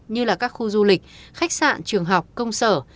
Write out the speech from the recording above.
như là các khu du lịch khách sạn trường học công sở